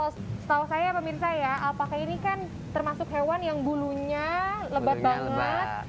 setahu saya pemirsa ya alpakai ini kan termasuk hewan yang bulunya lebat banget